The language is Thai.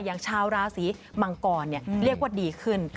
อย่างชาวราศีมังกรเนี่ยเรียกว่าดีขึ้น